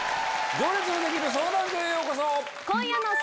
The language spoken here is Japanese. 『行列のできる相談所』へようこそ。